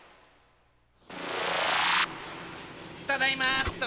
ただいまっと。